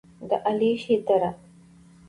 د علیشې دره: